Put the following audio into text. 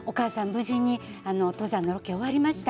無事に登山のロケ終わりました。